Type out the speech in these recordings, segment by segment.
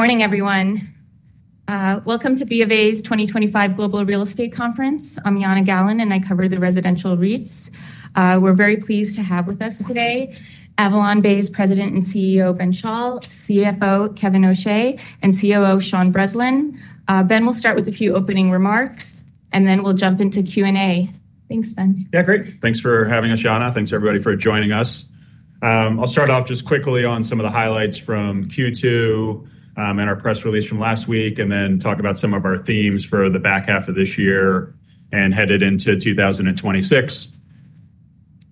Morning, everyone. Welcome to the Nareit's 2025 Global Real Estate Conference. I'm Yana Gallen, and I cover the residential REITs. We're very pleased to have with us today AvalonBay Communities' President and CEO, Benjamin W. Schall, CFO, Kevin O'Shea, and COO, Sean Breslin. Ben will start with a few opening remarks, and then we'll jump into Q&A. Thanks, Ben. Yeah, great. Thanks for having us, Yana. Thanks, everybody, for joining us. I'll start off just quickly on some of the highlights from Q2 and our press release from last week, and then talk about some of our themes for the back half of this year and headed into 2026.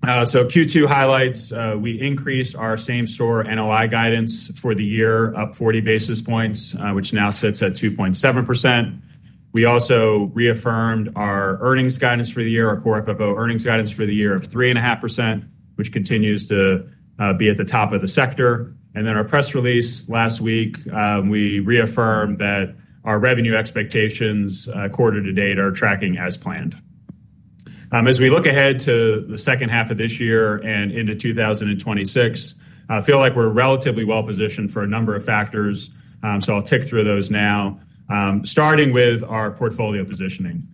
Q2 highlights, we increased our same-store NOI guidance for the year up 40 basis points, which now sits at 2.7%. We also reaffirmed our earnings guidance for the year, our core FFO earnings guidance for the year of 3.5%, which continues to be at the top of the sector. In our press release last week, we reaffirmed that our revenue expectations quarter to date are tracking as planned. As we look ahead to the second half of this year and into 2026, I feel like we're relatively well positioned for a number of factors, so I'll tick through those now. Starting with our portfolio positioning,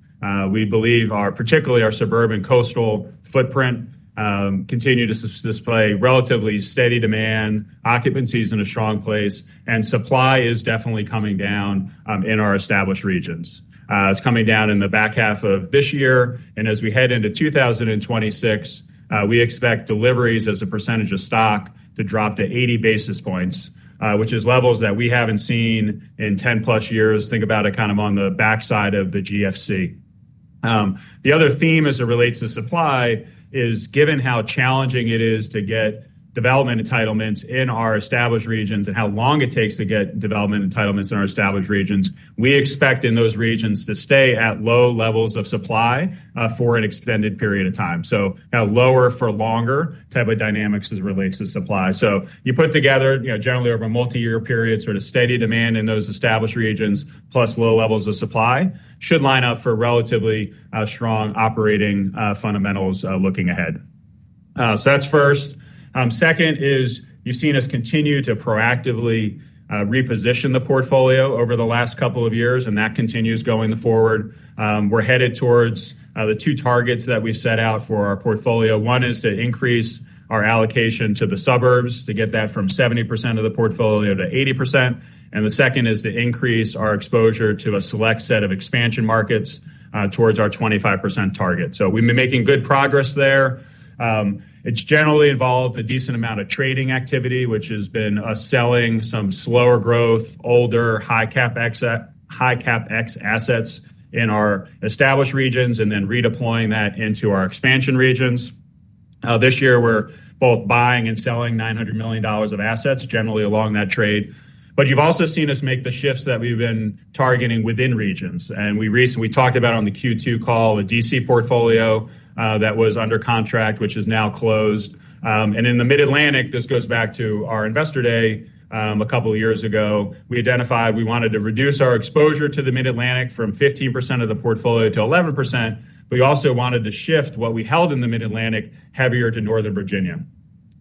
we believe particularly our suburban coastal footprint continues to display relatively steady demand, occupancy is in a strong place, and supply is definitely coming down in our established regions. It's coming down in the back half of this year, and as we head into 2026, we expect deliveries as a percentage of stock to drop to 80 basis points, which is levels that we haven't seen in 10-plus years. Think about it kind of on the backside of the GFC. The other theme as it relates to supply is given how challenging it is to get development entitlements in our established regions and how long it takes to get development entitlements in our established regions, we expect in those regions to stay at low levels of supply for an extended period of time. A lower for longer type of dynamics as it relates to supply. You put together, generally over a multi-year period, sort of steady demand in those established regions plus low levels of supply should line up for relatively strong operating fundamentals looking ahead. That's first. Second is you've seen us continue to proactively reposition the portfolio over the last couple of years, and that continues going forward. We're headed towards the two targets that we've set out for our portfolio. One is to increase our allocation to the suburbs, to get that from 70% of the portfolio to 80%. The second is to increase our exposure to a select set of expansion markets towards our 25% target. We've been making good progress there. It's generally involved a decent amount of trading activity, which has been us selling some slower growth, older high CapEx assets in our established regions, and then redeploying that into our expansion regions. This year, we're both buying and selling $900 million of assets generally along that trade. You've also seen us make the shifts that we've been targeting within regions. We recently talked about on the Q2 call a D.C. portfolio that was under contract, which is now closed. In the Mid-Atlantic, this goes back to our Investor Day a couple of years ago. We identified we wanted to reduce our exposure to the Mid-Atlantic from 15% of the portfolio to 11%. We also wanted to shift what we held in the Mid-Atlantic heavier to Northern Virginia.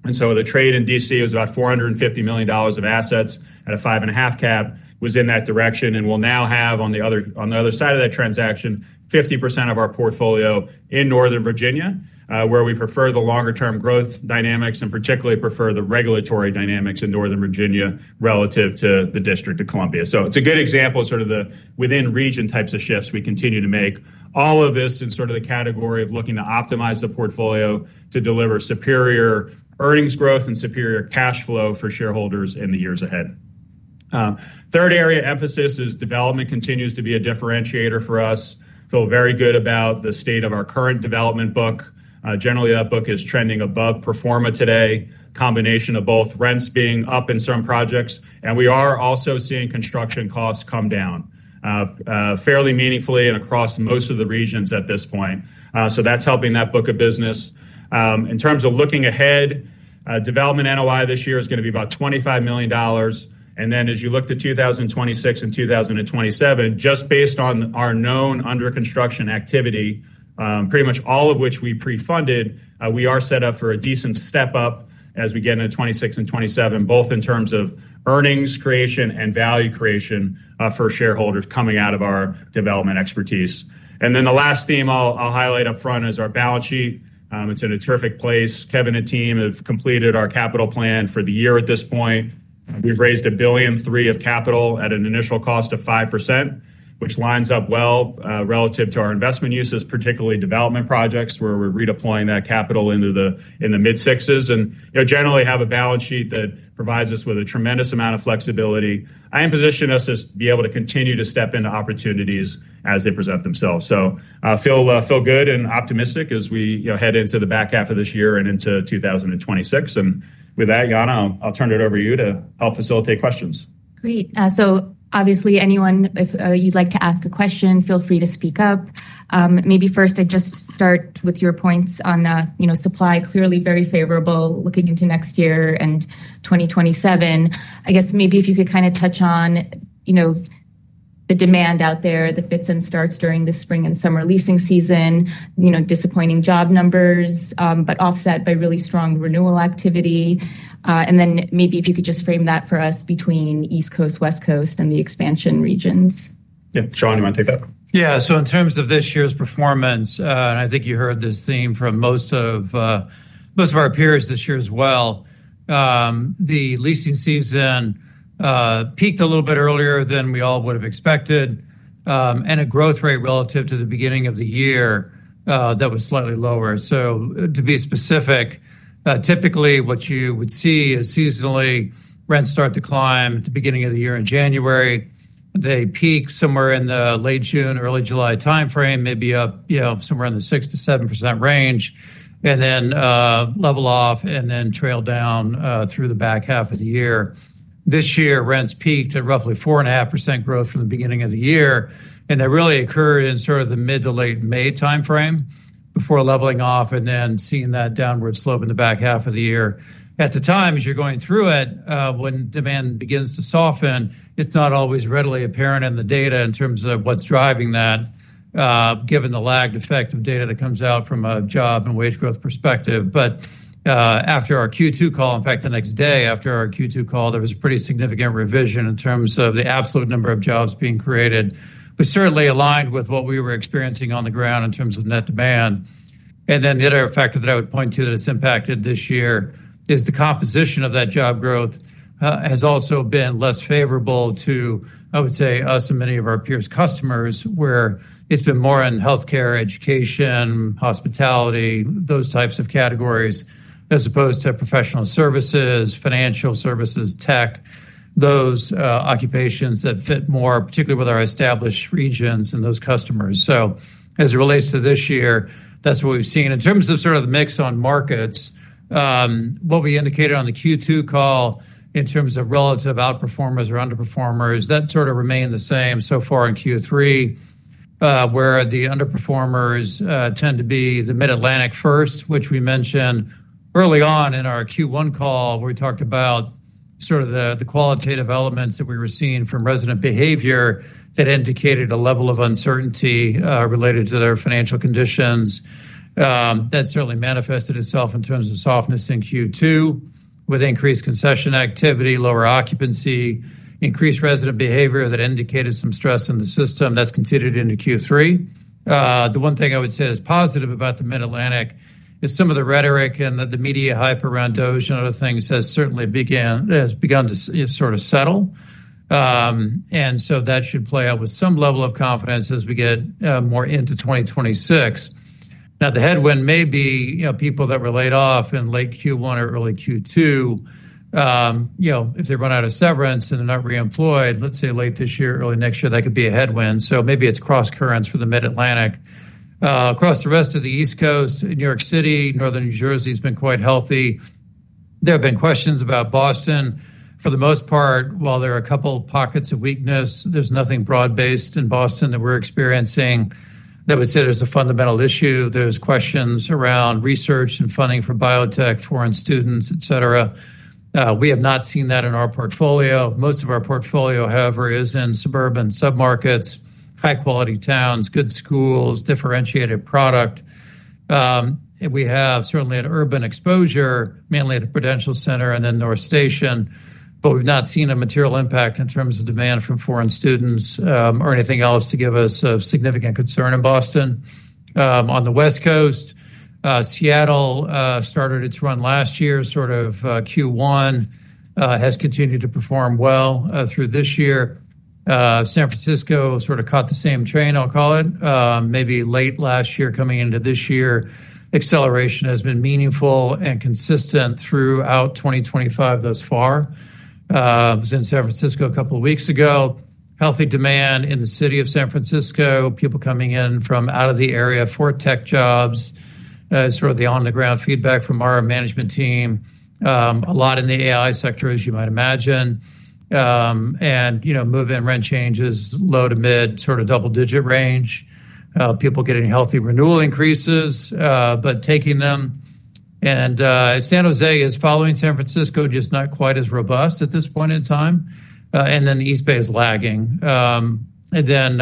The trade in D.C. is about $450 million of assets at a 5.5% cap was in that direction. We'll now have on the other side of that transaction, 50% of our portfolio in Northern Virginia, where we prefer the longer-term growth dynamics and particularly prefer the regulatory dynamics in Northern Virginia relative to the District of Columbia. It's a good example of the within-region types of shifts we continue to make. All of this is in the category of looking to optimize the portfolio to deliver superior earnings growth and superior cash flow for shareholders in the years ahead. Third area of emphasis is development continues to be a differentiator for us. Feel very good about the state of our current development book. Generally, that book is trending above pro forma today, a combination of both rents being up in some projects, and we are also seeing construction costs come down fairly meaningfully and across most of the regions at this point. That's helping that book of business. In terms of looking ahead, development NOI this year is going to be about $25 million. As you look to 2026 and 2027, just based on our known under construction activity, pretty much all of which we pre-funded, we are set up for a decent step up as we get into 2026 and 2027, both in terms of earnings creation and value creation for shareholders coming out of our development expertise. The last theme I'll highlight up front is our balance sheet. It's in a terrific place. Kevin and team have completed our capital plan for the year at this point. We've raised $1.3 billion of capital at an initial cost of 5%, which lines up well relative to our investment uses, particularly development projects where we're redeploying that capital into the mid-6%. We generally have a balance sheet that provides us with a tremendous amount of flexibility and positions us to be able to continue to step into opportunities as they present themselves. I feel good and optimistic as we head into the back half of this year and into 2026. With that, Yana, I'll turn it over to you to help facilitate questions. Great. Obviously, anyone, if you'd like to ask a question, feel free to speak up. Maybe first I'd just start with your points on supply, clearly very favorable looking into next year and 2027. I guess maybe if you could kind of touch on the demand out there, the fits and starts during the spring and summer leasing season, disappointing job numbers, but offset by really strong renewal activity. Maybe if you could just frame that for us between East Coast, West Coast, and the expansion regions. Yeah, Sean, you want to take that? Yeah, so in terms of this year's performance, and I think you heard this theme from most of our peers this year as well, the leasing season peaked a little bit earlier than we all would have expected. A growth rate relative to the beginning of the year that was slightly lower. To be specific, typically what you would see is seasonally rents start to climb at the beginning of the year in January. They peak somewhere in the late June, early July timeframe, maybe up somewhere in the 6 to 7% range, and then level off and then trail down through the back half of the year. This year, rents peaked at roughly 4.5% growth from the beginning of the year, and it really occurred in sort of the mid to late May timeframe before leveling off and then seeing that downward slope in the back half of the year. At the time, as you're going through it, when demand begins to soften, it's not always readily apparent in the data in terms of what's driving that, given the lagged effect of data that comes out from a job and wage growth perspective. After our Q2 call, in fact, the next day after our Q2 call, there was a pretty significant revision in terms of the absolute number of jobs being created, which certainly aligned with what we were experiencing on the ground in terms of net demand. The other factor that I would point to that has impacted this year is the composition of that job growth has also been less favorable to, I would say, us and many of our peers' customers, where it's been more in healthcare, education, hospitality, those types of categories, as opposed to professional services, financial services, tech, those occupations that fit more, particularly with our established regions and those customers. As it relates to this year, that's what we've seen. In terms of sort of the mix on markets, what we indicated on the Q2 call in terms of relative outperformers or underperformers, that sort of remained the same so far in Q3, where the underperformers tend to be the Mid-Atlantic first, which we mentioned early on in our Q1 call, where we talked about sort of the qualitative elements that we were seeing from resident behavior that indicated a level of uncertainty related to their financial conditions. That certainly manifested itself in terms of softness in Q2, with increased concession activity, lower occupancy, increased resident behavior that indicated some stress in the system. That's continued into Q3. The one thing I would say that's positive about the Mid-Atlantic is some of the rhetoric and the media hype around those and other things has certainly begun to sort of settle. That should play out with some level of confidence as we get more into 2026. The headwind may be people that were laid off in late Q1 or early Q2. If they run out of severance and they're not reemployed, let's say late this year, early next year, that could be a headwind. Maybe it's cross-currents for the Mid-Atlantic. Across the rest of the East Coast, New York City, Northern New Jersey has been quite healthy. There have been questions about Boston. For the most part, while there are a couple of pockets of weakness, there's nothing broad-based in Boston that we're experiencing that we say there's a fundamental issue. There are questions around research and funding for biotech, foreign students, etc. We have not seen that in our portfolio. Most of our portfolio, however, is in suburban submarkets, high-quality towns, good schools, differentiated product. We have certainly an urban exposure, mainly at the Prudential Center and then North Station, but we've not seen a material impact in terms of demand from foreign students or anything else to give us a significant concern in Boston. On the West Coast, Seattle started its run last year, sort of Q1, has continued to perform well through this year. San Francisco sort of caught the same train, I'll call it. Maybe late last year, coming into this year, acceleration has been meaningful and consistent throughout 2025 thus far. I was in San Francisco a couple of weeks ago. Healthy demand in the city of San Francisco, people coming in from out of the area for tech jobs, sort of the on-the-ground feedback from our management team. A lot in the AI sector, as you might imagine. Move-in rent changes, low to mid sort of double-digit range. People getting healthy renewal increases, but taking them. San Jose is following San Francisco, just not quite as robust at this point in time. The East Bay is lagging. In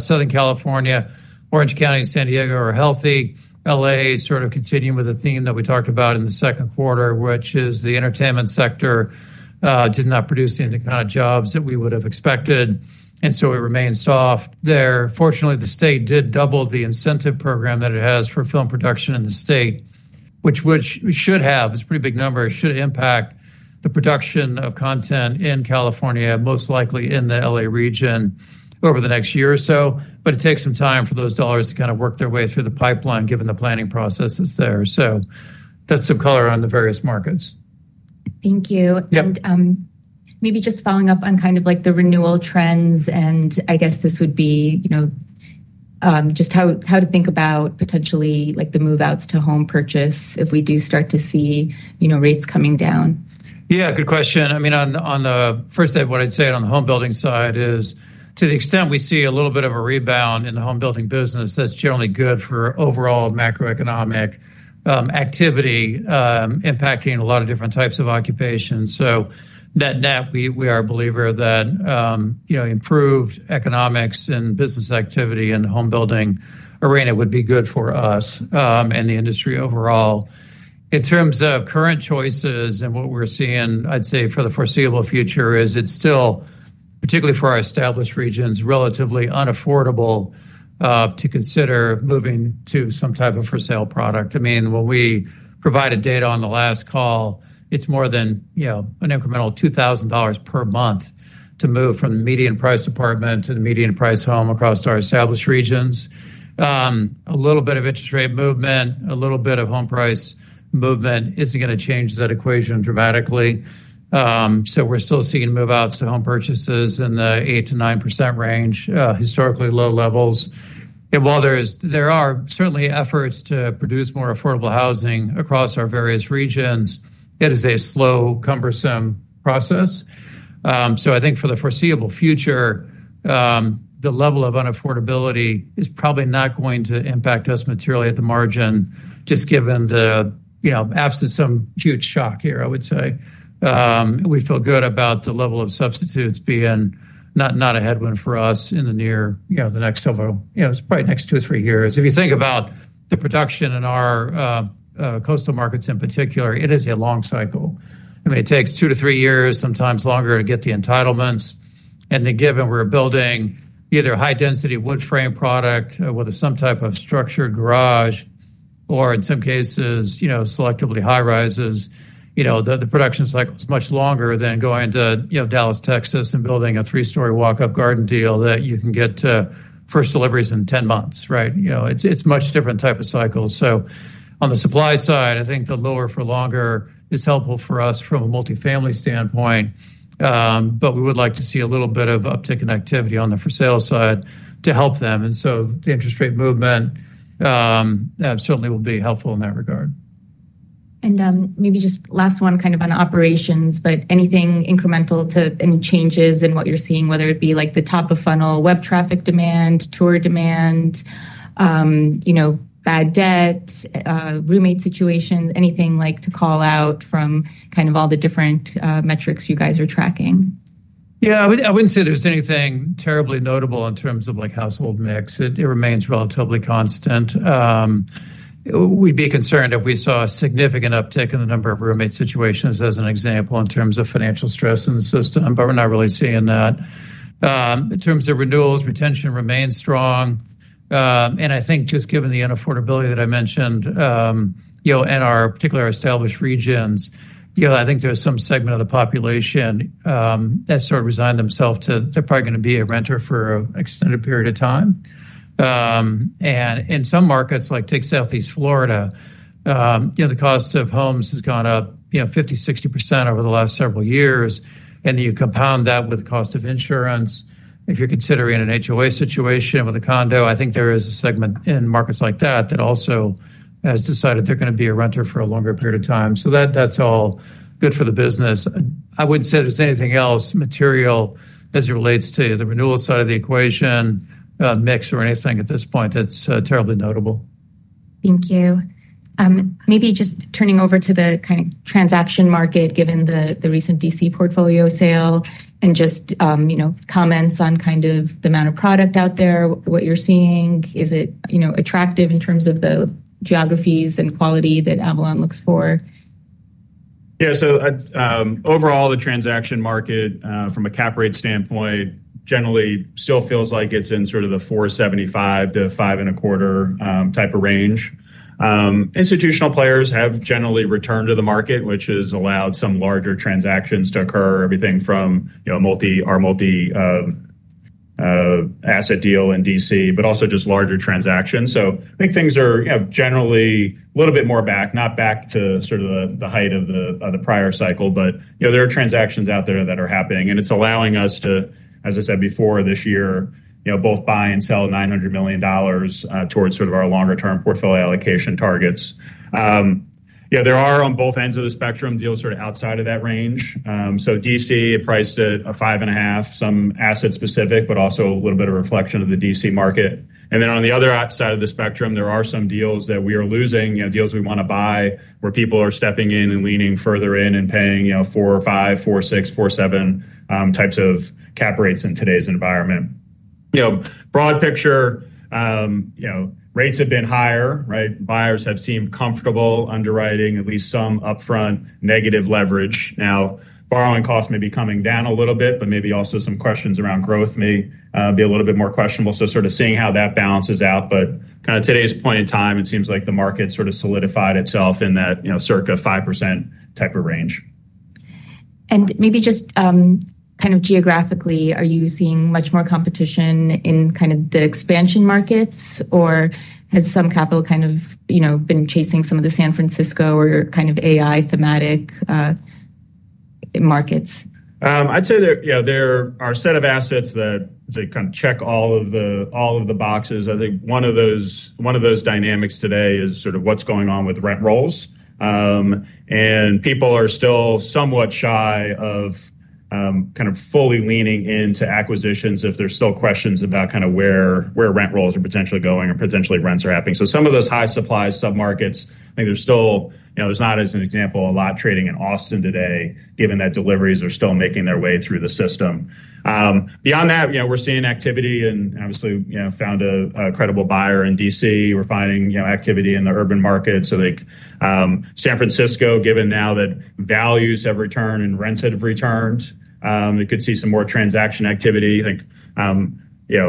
Southern California, Orange County and San Diego are healthy. LA is sort of continuing with the theme that we talked about in the second quarter, which is the entertainment sector did not produce any of the kind of jobs that we would have expected. We remain soft there. Fortunately, the state did double the incentive program that it has for film production in the state, which we should have. It's a pretty big number. It should impact the production of content in California, most likely in the LA region over the next year or so. It takes some time for those dollars to kind of work their way through the pipeline, given the planning processes there. That's the color on the various markets. Thank you. Maybe just following up on the renewal trends, I guess this would be just how to think about potentially the move-outs to home purchase if we do start to see rates coming down. Yeah, good question. I mean, on the first day, what I'd say on the home building side is to the extent we see a little bit of a rebound in the home building business, that's generally good for overall macroeconomic activity, impacting a lot of different types of occupations. That net, we are a believer that, you know, improved economics and business activity in the home building arena would be good for us and the industry overall. In terms of current choices and what we're seeing, I'd say for the foreseeable future it's still, particularly for our established regions, relatively unaffordable to consider moving to some type of for-sale product. I mean, when we provided data on the last call, it's more than, you know, an incremental $2,000 per month to move from the median price apartment to the median price home across our established regions. A little bit of interest rate movement, a little bit of home price movement isn't going to change that equation dramatically. We're still seeing move-outs to home purchases in the 8% to 9% range, historically low levels. While there are certainly efforts to produce more affordable housing across our various regions, it is a slow, cumbersome process. I think for the foreseeable future, the level of unaffordability is probably not going to impact us materially at the margin, just given the, you know, absence of some huge shock here, I would say. We feel good about the level of substitutes being not a headwind for us in the near, you know, the next several, you know, it's probably next two or three years. If you think about the production in our coastal markets in particular, it is a long cycle. It takes two to three years, sometimes longer, to get the entitlements. Given we're building either a high-density wood frame product, whether some type of structured garage, or in some cases, you know, selectively high rises, the production cycle is much longer than going to, you know, Dallas, Texas, and building a three-story walk-up garden deal that you can get to first deliveries in 10 months, right? It's a much different type of cycle. On the supply side, I think the lower for longer is helpful for us from a multifamily standpoint. We would like to see a little bit of uptick in activity on the for-sale side to help them. The interest rate movement certainly will be helpful in that regard. Maybe just last one, kind of on operations, but anything incremental to any changes in what you're seeing, whether it be like the top of funnel, web traffic demand, tour demand, bad debt, roommate situations, anything like to call out from kind of all the different metrics you guys are tracking? Yeah, I wouldn't say there's anything terribly notable in terms of household mix. It remains relatively constant. We'd be concerned if we saw a significant uptick in the number of roommate situations as an example in terms of financial stress in the system, but we're not really seeing that. In terms of renewals, retention remains strong. I think just given the unaffordability that I mentioned, in our particular established regions, I think there's some segment of the population that sort of resigned themselves to, they're probably going to be a renter for an extended period of time. In some markets, like take Southeast Florida, the cost of homes has gone up 50, 60% over the last several years. You compound that with the cost of insurance. If you're considering an HOA situation with a condo, I think there is a segment in markets like that that also has decided they're going to be a renter for a longer period of time. That's all good for the business. I wouldn't say there's anything else material as it relates to the renewal side of the equation, a mix or anything at this point that's terribly notable. Thank you. Maybe just turning over to the kind of transaction market, given the recent D.C. portfolio sale and just comments on the amount of product out there, what you're seeing, is it attractive in terms of the geographies and quality that AvalonBay looks for? Yeah, so overall the transaction market from a cap rate standpoint generally still feels like it's in sort of the $4.75 to $5.75 type of range. Institutional players have generally returned to the market, which has allowed some larger transactions to occur, everything from our multi-asset deal in D.C., but also just larger transactions. I think things are generally a little bit more back, not back to sort of the height of the prior cycle, but there are transactions out there that are happening. It's allowing us to, as I said before this year, both buy and sell $900 million towards sort of our longer-term portfolio allocation targets. There are on both ends of the spectrum deals sort of outside of that range. D.C. priced at a 5.5%, some asset specific, but also a little bit of a reflection of the D.C. market. On the other side of the spectrum, there are some deals that we are losing, deals we want to buy, where people are stepping in and leaning further in and paying $4.5, $4.6, $4.7 types of cap rates in today's environment. Broad picture, rates have been higher, right? Buyers have seemed comfortable underwriting at least some upfront negative leverage. Now, borrowing costs may be coming down a little bit, but maybe also some questions around growth may be a little bit more questionable. Sort of seeing how that balances out. Kind of today's point in time, it seems like the market sort of solidified itself in that circa 5% type of range. Maybe just kind of geographically, are you seeing much more competition in the expansion markets, or has some capital been chasing some of the San Francisco or AI thematic markets? I'd say there are a set of assets that kind of check all of the boxes. I think one of those dynamics today is sort of what's going on with rent rolls. People are still somewhat shy of fully leaning into acquisitions if there's still questions about where rent rolls are potentially going or potentially rents are happening. Some of those high supply submarkets, there's not, as an example, a lot trading in Austin today, given that deliveries are still making their way through the system. Beyond that, we're seeing activity and obviously found a credible buyer in Washington, D.C. We're finding activity in the urban markets. In San Francisco, given now that values have returned and rents have returned, you could see some more transaction activity. Like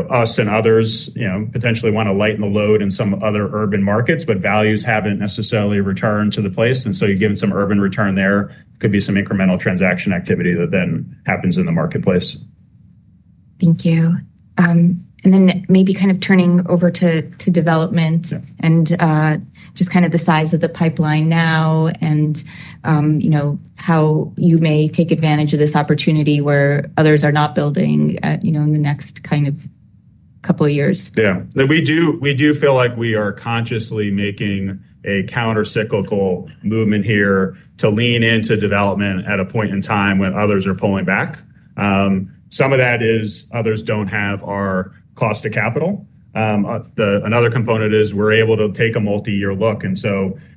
us and others, we potentially want to lighten the load in some other urban markets, but values haven't necessarily returned to the place. Given some urban return there, there could be some incremental transaction activity that then happens in the marketplace. Thank you. Maybe turning over to development and just the size of the pipeline now and how you may take advantage of this opportunity where others are not building in the next couple of years. Yeah, we do feel like we are consciously making a countercyclical movement here to lean into development at a point in time when others are pulling back. Some of that is others don't have our cost of capital. Another component is we're able to take a multi-year look.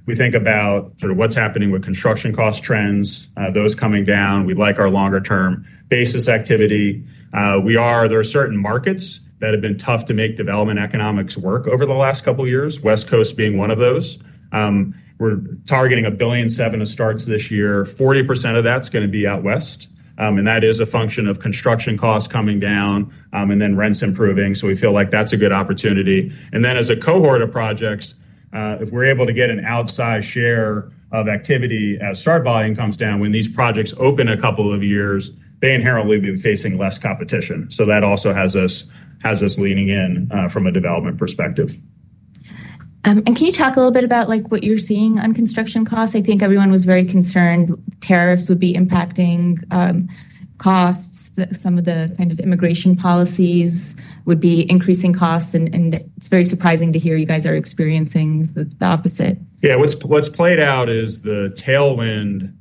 We think about sort of what's happening with construction cost trends, those coming down. We like our longer-term basis activity. There are certain markets that have been tough to make development economics work over the last couple of years, West Coast being one of those. We're targeting $1.7 billion to start this year. 40% of that's going to be out west. That is a function of construction costs coming down and then rents improving. We feel like that's a good opportunity. As a cohort of projects, if we're able to get an outside share of activity as start volume comes down, when these projects open in a couple of years, they inherently will be facing less competition. That also has us leaning in from a development perspective. Can you talk a little bit about what you're seeing on construction costs? I think everyone was very concerned tariffs would be impacting costs. Some of the kind of immigration policies would be increasing costs. It's very surprising to hear you guys are experiencing the opposite. Yeah, what's played out is the tailwind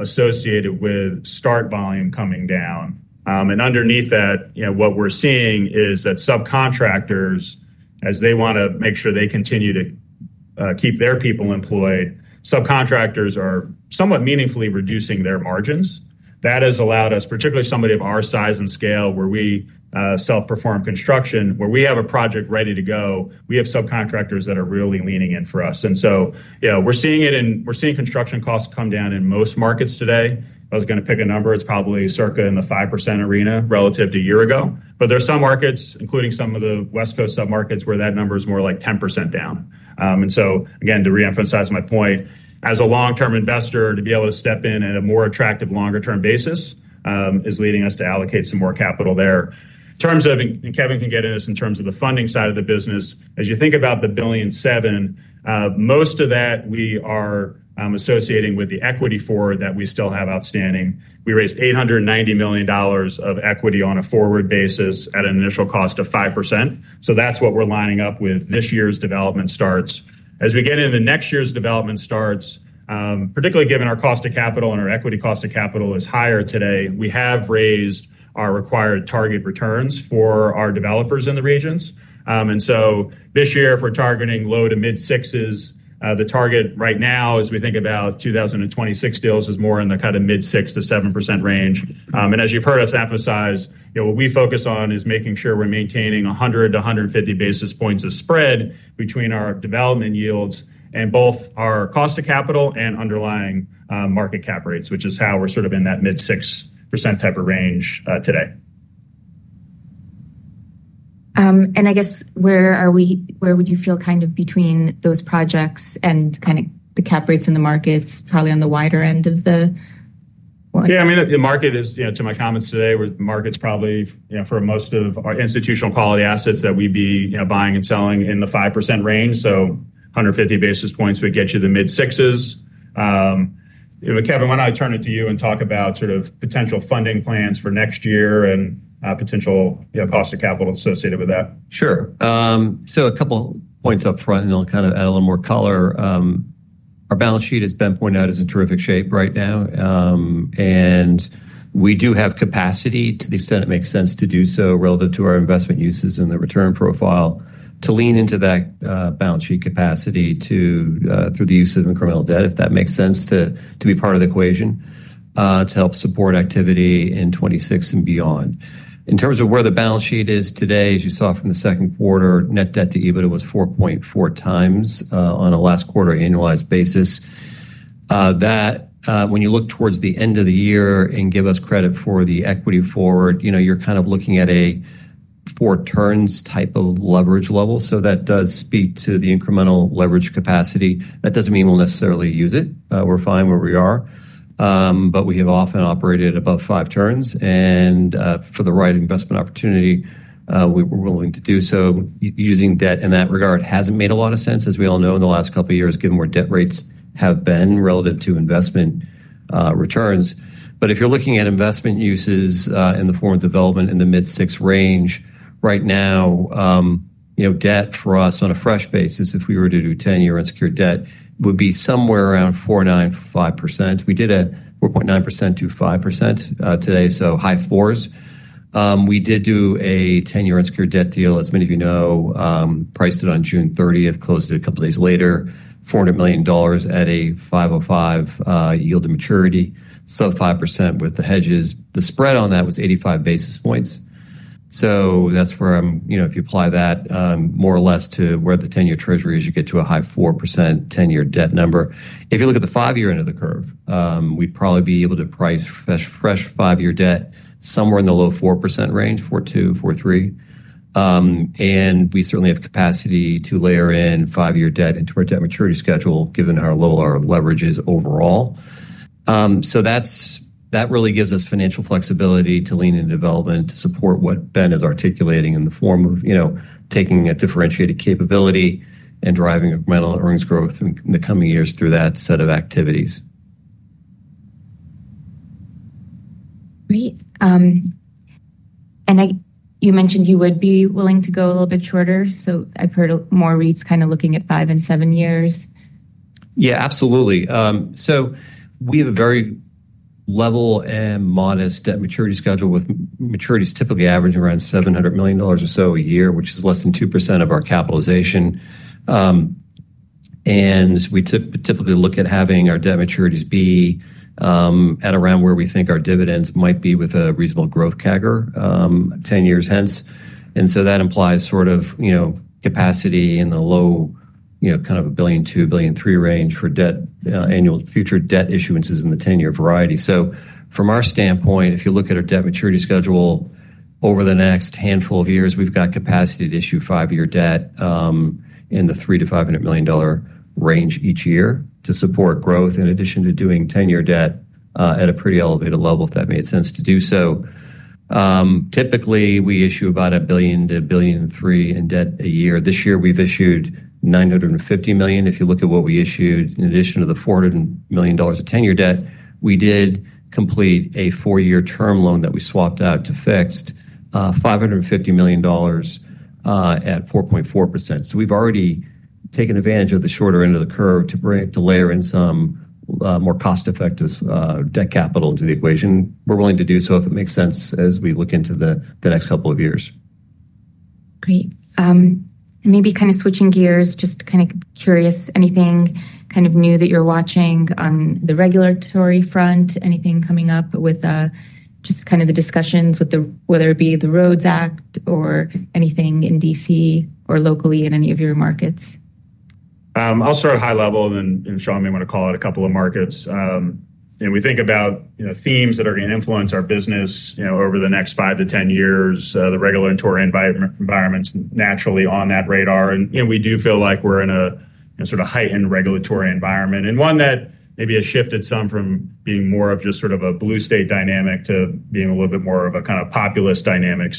associated with start volume coming down. Underneath that, what we're seeing is that subcontractors, as they want to make sure they continue to keep their people employed, are somewhat meaningfully reducing their margins. That has allowed us, particularly somebody of our size and scale, where we self-perform construction, where we have a project ready to go, we have subcontractors that are really leaning in for us. We're seeing construction costs come down in most markets today. If I was going to pick a number, it's probably circa in the 5% arena relative to a year ago. There are some markets, including some of the West Coast submarkets, where that number is more like 10% down. To reemphasize my point, as a long-term investor, to be able to step in at a more attractive longer-term basis is leading us to allocate some more capital there. In terms of, and Kevin can get into this, in terms of the funding side of the business, as you think about the $1.7 billion, most of that we are associating with the equity forward that we still have outstanding. We raised $890 million of equity on a forward basis at an initial cost of 5%. That's what we're lining up with this year's development starts. As we get into next year's development starts, particularly given our cost of capital and our equity cost of capital is higher today, we have raised our required target returns for our developers in the regions. This year, if we're targeting low to mid-6s, the target right now, as we think about 2026 deals, is more in the kind of mid-6% to 7% range. As you've heard us emphasize, what we focus on is making sure we're maintaining 100 to 150 basis points of spread between our development yields and both our cost of capital and underlying market cap rates, which is how we're sort of in that mid-6% type of range today. Where are we, where would you feel kind of between those projects and the cap rates in the markets, probably on the wider end of the... Yeah, I mean, the market is, to my comments today, the market's probably, for most of our institutional quality assets that we'd be buying and selling in the 5% range. 150 basis points would get you to mid-6%. Kevin, why don't I turn it to you and talk about sort of potential funding plans for next year and potential cost of capital associated with that? Sure. A couple points up front, and I'll kind of add a little more color. Our balance sheet, as Ben pointed out, is in terrific shape right now. We do have capacity to the extent it makes sense to do so relative to our investment uses and the return profile to lean into that balance sheet capacity through the use of incremental debt, if that makes sense to be part of the equation, to help support activity in 2026 and beyond. In terms of where the balance sheet is today, as you saw from the second quarter, net debt to EBITDA was 4.4 times on a last quarter annualized basis. That, when you look towards the end of the year and give us credit for the equity forward, you know, you're kind of looking at a four-turns type of leverage level. That does speak to the incremental leverage capacity. That doesn't mean we'll necessarily use it. We're fine where we are. We have often operated above five turns, and for the right investment opportunity, we're willing to do so. Using debt in that regard hasn't made a lot of sense, as we all know in the last couple of years, given where debt rates have been relative to investment returns. If you're looking at investment uses in the form of development in the mid-6% range right now, debt for us on a fresh basis, if we were to do 10-year unsecured debt, would be somewhere around 4.9% to 5%. We did a 4.9% to 5% today, so high fours. We did do a 10-year unsecured debt deal, as many of you know, priced it on June 30, closed it a couple of days later, $400 million at a 5.05% yield to maturity, sub-5% with the hedges. The spread on that was 85 basis points. If you apply that more or less to where the 10-year Treasury is, you get to a high 4% 10-year debt number. If you look at the five-year end of the curve, we'd probably be able to price fresh five-year debt somewhere in the low 4% range, 4.2%, 4.3%. We certainly have capacity to layer in five-year debt into our debt maturity schedule, given how low our leverage is overall. That really gives us financial flexibility to lean into development to support what Ben is articulating in the form of taking a differentiated capability and driving incremental earnings growth in the coming years through that set of activities. Great. You mentioned you would be willing to go a little bit shorter. I've heard more REITs kind of looking at five and seven years. Yeah, absolutely. We have a very level and modest debt maturity schedule with maturities typically averaging around $700 million or so a year, which is less than 2% of our capitalization. We typically look at having our debt maturities be at around where we think our dividends might be with a reasonable growth CAGR, 10 years hence. That implies sort of, you know, capacity in the low, you know, kind of $1.2 billion, $1.3 billion range for annual future debt issuances in the 10-year variety. From our standpoint, if you look at a debt maturity schedule over the next handful of years, we've got capacity to issue five-year debt in the $300 to $500 million range each year to support growth in addition to doing 10-year debt at a pretty elevated level, if that made sense to do so. Typically, we issue about $1 billion to $1.3 billion in debt a year. This year, we've issued $950 million. If you look at what we issued in addition to the $400 million of 10-year debt, we did complete a four-year term loan that we swapped out to fixed $550 million at 4.4%. We've already taken advantage of the shorter end of the curve to bring it to layer in some more cost-effective debt capital into the equation. We're willing to do so if it makes sense as we look into the next couple of years. Great. Maybe switching gears, just curious, anything new that you're watching on the regulatory front? Anything coming up with the discussions with whether it be the Rhodes Act or anything in Washington, D.C. or locally in any of your markets? I'll start high level, and then Sean may want to call out a couple of markets. We think about themes that are going to influence our business over the next five to ten years. The regulatory environment's naturally on that radar. We do feel like we're in a sort of heightened regulatory environment and one that maybe has shifted some from being more of just sort of a blue state dynamic to being a little bit more of a kind of populist dynamic.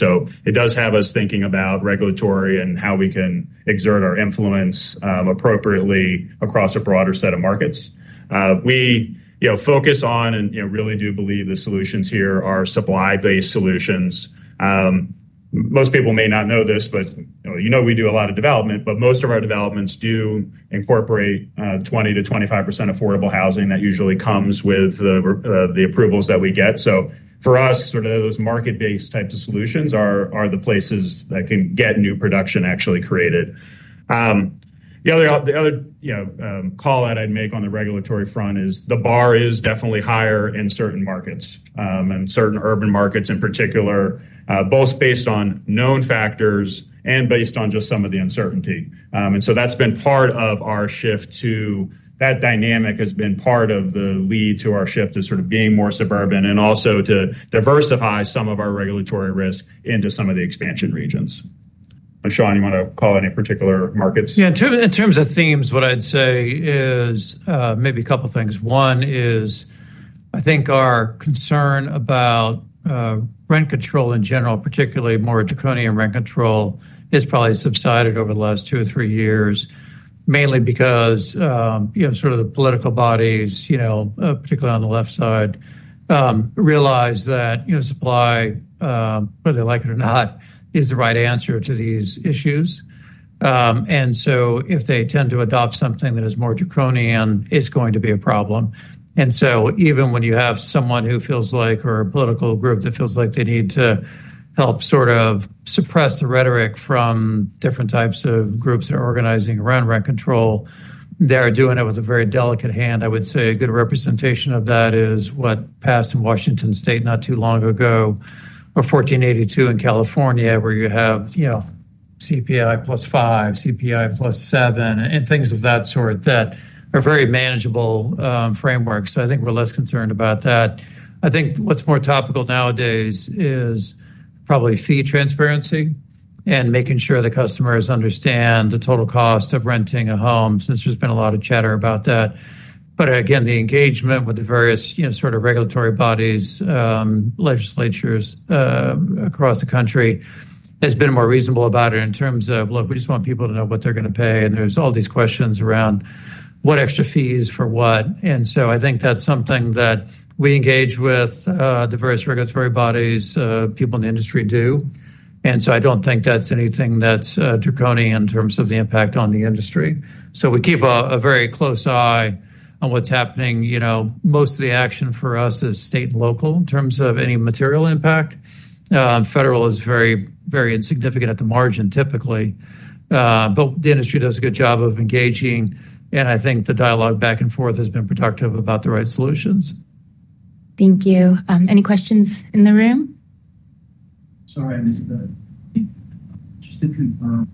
It does have us thinking about regulatory and how we can exert our influence appropriately across a broader set of markets. We focus on and really do believe the solutions here are supply-based solutions. Most people may not know this, but we do a lot of development, but most of our developments do incorporate 20% to 25% affordable housing that usually comes with the approvals that we get. For us, those market-based types of solutions are the places that can get new production actually created. The other call that I'd make on the regulatory front is the bar is definitely higher in certain markets and certain urban markets in particular, both based on known factors and based on just some of the uncertainty. That's been part of our shift to that dynamic and has been part of the lead to our shift to being more suburban and also to diversify some of our regulatory risk into some of the expansion regions. Sean, you want to call on any particular markets? Yeah, in terms of themes, what I'd say is maybe a couple of things. One is I think our concern about rent control in general, particularly more draconian rent control, has probably subsided over the last two or three years, mainly because the political bodies, particularly on the left side, realize that supply, whether they like it or not, is the right answer to these issues. If they tend to adopt something that is more draconian, it's going to be a problem. Even when you have someone who feels like or a political group that feels like they need to help suppress the rhetoric from different types of groups that are organizing around rent control, they're doing it with a very delicate hand. I would say a good representation of that is what passed in Washington State not too long ago, or 1482 in California, where you have CPI plus 5%, CPI plus 7%, and things of that sort that are very manageable frameworks. I think we're less concerned about that. What's more topical nowadays is probably fee transparency and making sure the customers understand the total cost of renting a home, since there's been a lot of chatter about that. The engagement with the various regulatory bodies, legislatures across the country has been more reasonable about it in terms of, look, we just want people to know what they're going to pay. There are all these questions around what extra fees for what. I think that's something that we engage with diverse regulatory bodies, people in the industry do. I don't think that's anything that's draconian in terms of the impact on the industry. We keep a very close eye on what's happening. Most of the action for us is state and local in terms of any material impact. Federal is very, very insignificant at the margin typically. The industry does a good job of engaging. I think the dialogue back and forth has been productive about the right solutions. Thank you. Any questions in the room? Sorry, I'm going to just confirm,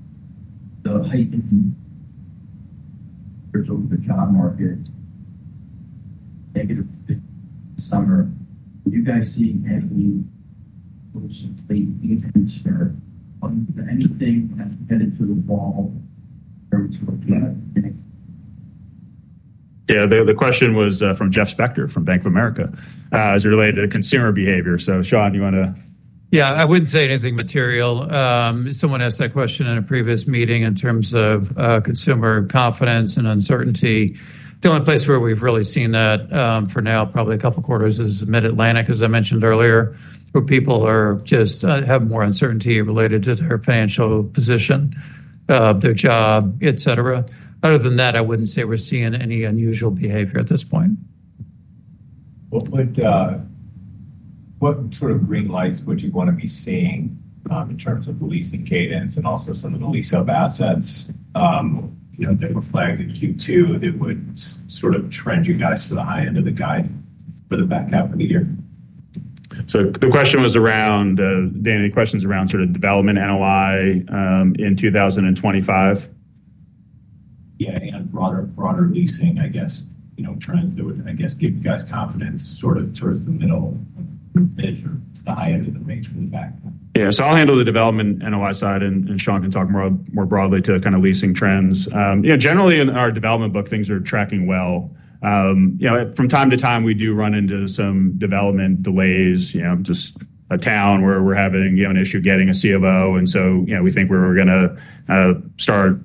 negative summer. Do you guys see any option to be shared? Anything that's headed to the wall? Yeah, the question was from Jeff Spector from Bank of America as it related to consumer behavior. Sean, do you want to... Yeah, I wouldn't say anything material. Someone asked that question in a previous meeting in terms of consumer confidence and uncertainty. The only place where we've really seen that for now, probably a couple of quarters, is the Mid-Atlantic, as I mentioned earlier, where people just have more uncertainty related to their financial position, their job, etc. Other than that, I wouldn't say we're seeing any unusual behavior at this point. What sort of green lights would you want to be seeing in terms of the leasing cadence and also some of the lease-up assets? If they were flagged in Q2, if it would sort of trend you guys to the high end of the guide at the end of the year? The question's around sort of development NOI in 2025. Yeah, and broader leasing trends that would give you guys confidence sort of towards the middle measure, the high end of the measure. Yeah, so I'll handle the development NOI side, and Sean can talk more broadly to kind of leasing trends. Generally in our development book, things are tracking well. From time to time, we do run into some development delays, just a town where we're having an issue getting a COO. We think we were going to start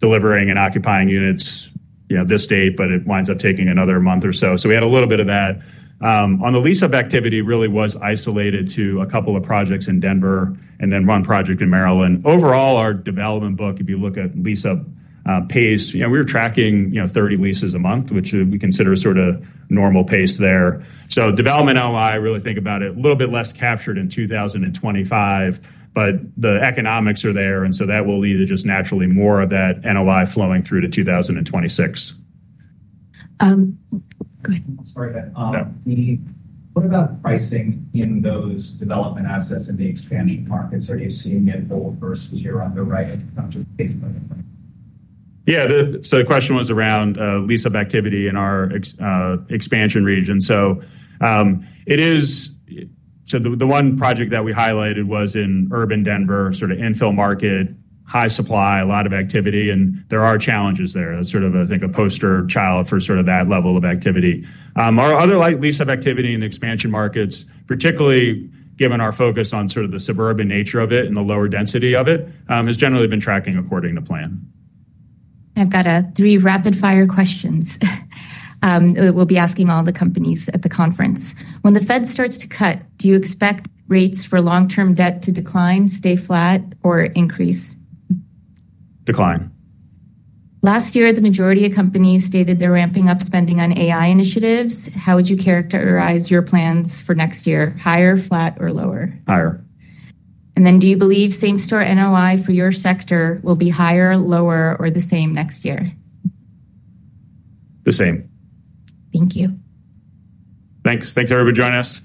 delivering and occupying units this date, but it winds up taking another month or so. We had a little bit of that. On the lease-up activity, it really was isolated to a couple of projects in Denver and then one project in Maryland. Overall, our development book, if you look at lease-up pace, we were tracking 30 leases a month, which we consider sort of a normal pace there. Development NOI, really think about it, a little bit less captured in 2025, but the economics are there. That will lead to just naturally more of that NOI flowing through to 2026. What about pricing in those development assets in the expansion markets? Are you seeing a goal versus year on the right? Yeah, the question was around lease-up activity in our expansion region. The one project that we highlighted was in urban Denver, sort of infill market, high supply, a lot of activity, and there are challenges there. That's, I think, a poster child for that level of activity. Our other lease-up activity in expansion markets, particularly given our focus on the suburban nature of it and the lower density of it, has generally been tracking according to plan. I've got three rapid-fire questions. We'll be asking all the companies at the conference. When the Fed starts to cut, do you expect rates for long-term debt to decline, stay flat, or increase? Decline. Last year, the majority of companies stated they're ramping up spending on AI initiatives. How would you characterize your plans for next year? Higher, flat, or lower? Higher. Do you believe same-store NOI for your sector will be higher, lower, or the same next year? The same. Thank you. Thanks, everybody, for joining us.